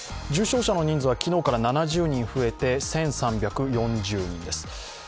重症者の人数は昨日から７０人増えて１３４０人です。